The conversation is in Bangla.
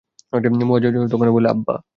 যুবক মুয়ায তখন তাকে বললেন, আব্বা!